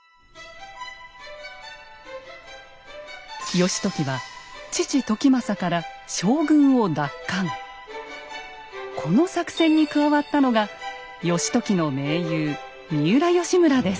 義時は父・時政からこの作戦に加わったのが義時の盟友三浦義村です。